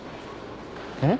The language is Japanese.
うん？